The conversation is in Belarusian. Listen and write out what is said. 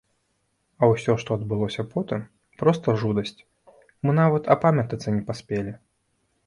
А ўсё, што адбылося потым, проста жудасць, мы нават апамятацца не паспелі.